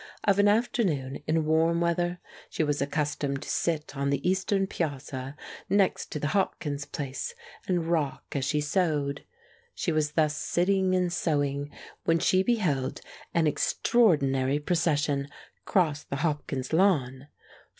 Of an afternoon, in warm weather, she was accustomed to sit on the eastern piazza, next to the Hopkins place, and rock as she sewed. She was thus sitting and sewing when she beheld an extraordinary procession cross the Hopkins lawn.